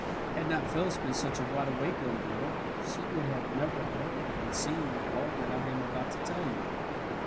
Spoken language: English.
Had not Phyllis been such a wide awake little girl, she would have never heard and seen all that I am about to tell you.